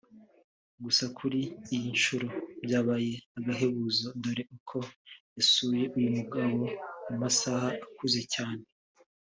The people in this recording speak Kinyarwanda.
Gusa kuri iyi nshuro byabaye agahebuzo dore ko yasuye uyu mugabo mu masaha akuze cyane